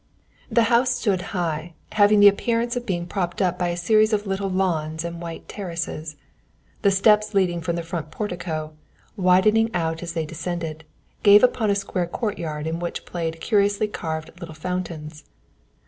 The house stood high, having the appearance of being propped up by a series of little lawns and white terraces. The steps leading from the front portico, widening out as they descended, gave upon a square courtyard in which played curiously carved little fountains.